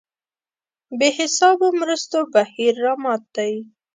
بې حسابو مرستو بهیر رامات دی.